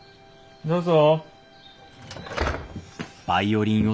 どうぞ。